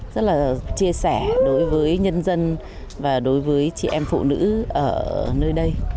rất là chia sẻ đối với nhân dân và đối với chị em phụ nữ ở nơi đây